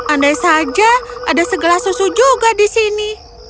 andai saja ada segelas susu juga di sini